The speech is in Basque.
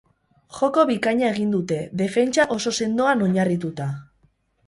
Joko bikaina egin dute, defentsa oso sendoan oinarrituta.